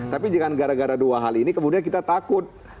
tapi jangan gara gara dua hal ini kemudian kita takut